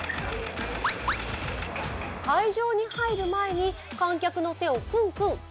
会場に入る前に観客の手をクンクン。